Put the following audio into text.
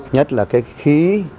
nhất là cái khí